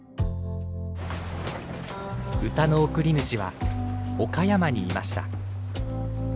歌の送り主は岡山にいました。